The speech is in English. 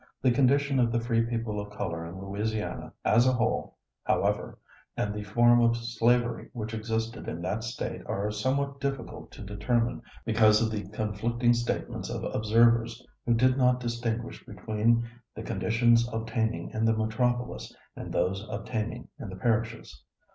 The condition of the free people of color in Louisiana as a whole, however, and the form of slavery which existed in that state are somewhat difficult to determine because of the conflicting statements of observers who did not distinguish between the conditions obtaining in the metropolis and those obtaining in the parishes.